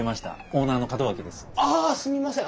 あすみません！